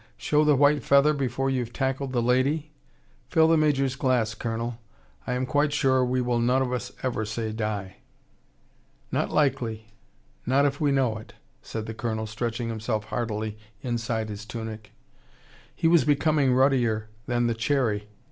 "Show the white feather before you've tackled the lady! Fill the Major's glass, Colonel. I am quite sure we will none of us ever say die." "Not likely. Not if we know it," said the Colonel, stretching himself heartily inside his tunic. He was becoming ruddier than the cherry.